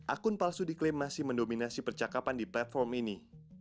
akun palsu diklaim masih mendominasi percakapan di platform ini